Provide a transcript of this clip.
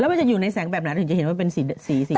แล้วมันจะอยู่ในแสงแบบไหนถึงจะเห็นว่าเป็นสีสีกวา